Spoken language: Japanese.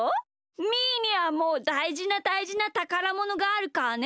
みーにはもうだいじなだいじなたからものがあるからね。